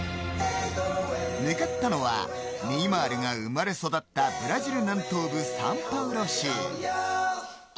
向かったのはネイマールが生まれ育ったブラジル南東部・サンパウロ州。